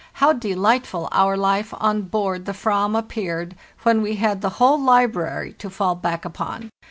How delightful our life on board the "vam appeared, when we had the whole library to fall back upon!